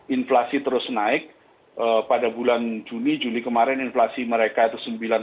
inflasi terus naik pada bulan juni juli kemarin inflasi mereka itu sembilan puluh